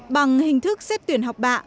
bằng hình thức xét tuyển học bạ